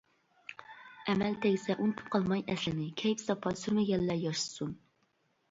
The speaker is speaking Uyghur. ئەمەل تەگسە ئۇنتۇپ قالماي ئەسلىنى، كەيپى-ساپا سۈرمىگەنلەر ياشىسۇن.